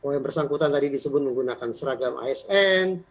yang bersangkutan tadi disebut menggunakan seragam asn